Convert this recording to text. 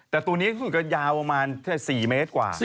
แต่ตัวนี้สุดก็ยาวประมาณ๔เมตรกว่า